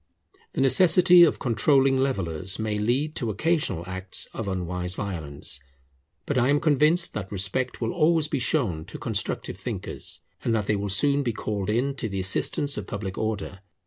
The necessity of controlling levellers may lead to occasional acts of unwise violence. But I am convinced that respect will always be shown to constructive thinkers, and that they will soon be called in to the assistance of public order.